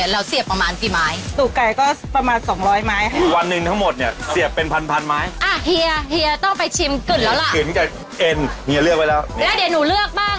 และเดี๋ยวหนูเลือกบ้าง